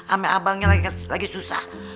amek abangnya lagi susah